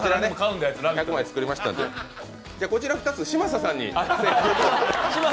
こちら２つ、嶋佐さんに。